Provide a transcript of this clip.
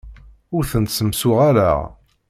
Ur tent-ssemsuɣaleɣ.